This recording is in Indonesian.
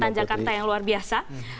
kawasan jakarta yang luar biasa